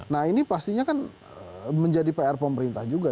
nah ini pastinya kan menjadi pr pemerintah juga